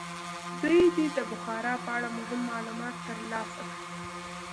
دوی دې د بخارا په اړه هم معلومات ترلاسه کړي.